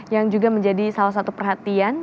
yang juga menjadi salah satu perhatian